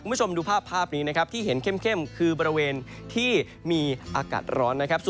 คุณผู้ชมดูภาพนี้นะครับที่เห็นเข้มคือบริเวณที่มีอากาศร้อนนะครับ